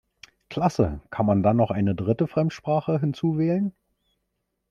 Klasse kann man dann noch eine dritte Fremdsprache hinzu wählen.